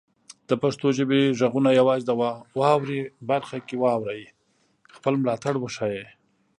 د پښتو ژبې غږونه یوازې د "واورئ" برخه کې واورئ، خپل ملاتړ وښایئ.